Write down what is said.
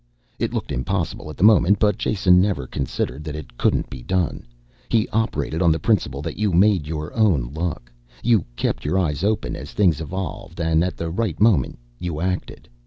It looked impossible at the moment, but Jason never considered that it couldn't be done. He operated on the principle that you made your own luck. You kept your eyes open as things evolved and at the right moment you acted.